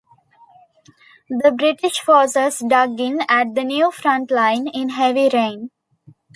The British forces dug in at the new front line in heavy rain.